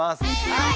はい！